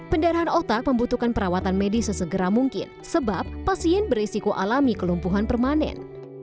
pendarahan otak membutuhkan perawatan medis sesegera mungkin sebab pasien berisiko alami kelumpuhan permanen